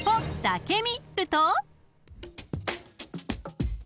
「だけ見」ると］